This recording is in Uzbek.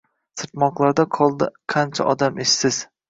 Sirtmoqlarda qoldi qancha odam, esiz…